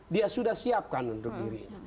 dia sudah siapkan untuk dirinya